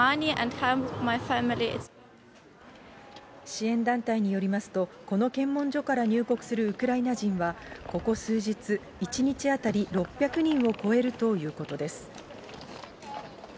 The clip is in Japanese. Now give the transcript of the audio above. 支援団体によりますと、この検問所から入国するウクライナ人はここ数日、１日当たり６００人を超えるということです。